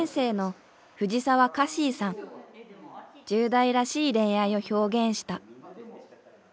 １０代らしい恋愛を表現した。